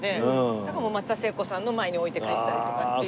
だからもう松田聖子さんの前に置いて帰ったりとかっていう。